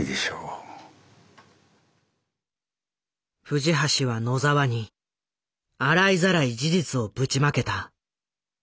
藤橋は野澤に洗いざらい事実をぶちまけた。